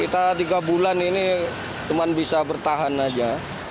kita tiga bulan ini cuma bisa bertahan aja